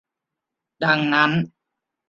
ดังนั้น